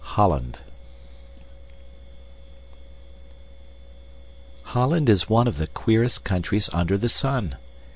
Holland Holland is one of the queerest countries under the sun.